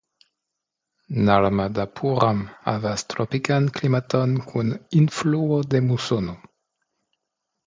Narmadapuram havas tropikan klimaton kun influo de musono.